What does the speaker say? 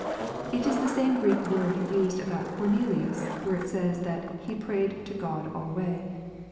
It is the same Greek word used about Cornelius, where it says, that " he prayed to God alway."